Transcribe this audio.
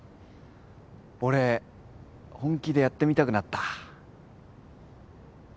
俺本気でやってみたくなった。